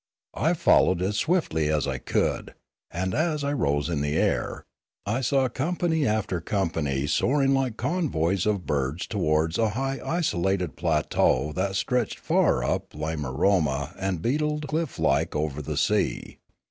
I followed as swiftly as I could, and, as I rose in the air, I saw com pany after company soaring like coveys of birds towards a high isolated plateau that stretched from far up Lila roma and beetled cliff like over the sea.